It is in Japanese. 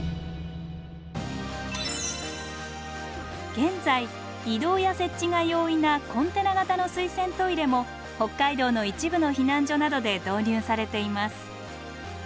現在移動や設置が容易なコンテナ型の水洗トイレも北海道の一部の避難所などで導入されています。